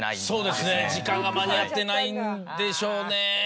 そうですね時間が間に合ってないんでしょうね。